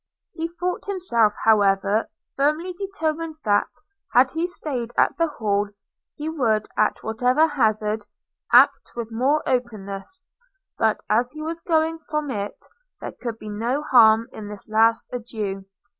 He thought himself, however, firmly determined that, had he staid at the Hall, he would, at whatever hazard, act with more openness; but as he was going from it, there could be no harm in this last adieu.